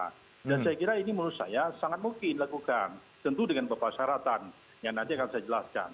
dan saya kira ini menurut saya sangat mungkin dilakukan tentu dengan beberapa syaratan yang nanti akan saya jelaskan